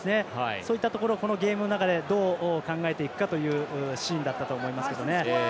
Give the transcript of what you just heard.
そういったところをこのゲームの中でどう考えていくかというシーンだったと思いますけどね。